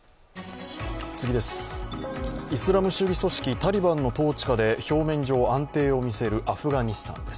イスラム主義組織タリバンの統治下で表面上、安定を見せるアフガニスタンです。